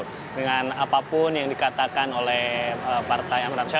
dengan apapun yang dikatakan oleh partai amin rais